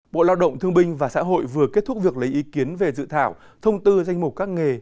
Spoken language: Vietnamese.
bộ lao động thương binh và xã hội vừa kết thúc việc lấy ý kiến về dự thảo thông tư danh mục các nghề